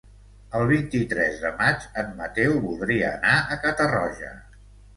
El vint-i-tres de maig en Mateu voldria anar a Catarroja.